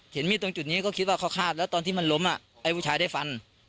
เห็นมีดตรงจุดนี้ก็คิดว่าเขาคาดแล้วตอนที่มันล้มไอ้ผู้ชายได้ฟัน